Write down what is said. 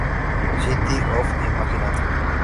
City of Imagination.